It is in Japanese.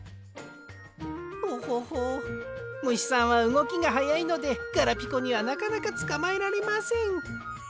トホホむしさんはうごきがはやいのでガラピコにはなかなかつかまえられません。